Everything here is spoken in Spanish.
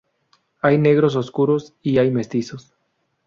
Hay negros oscuros, y hay mestizos.